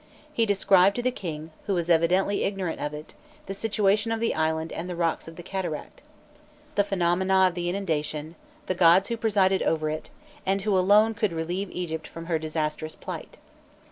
He described to the king, who was evidently ignorant of it, the situation of the island and the rocks of the cataract, the phenomena of the inundation, the gods who presided over it, and who alone could relieve Egypt from her disastrous plight.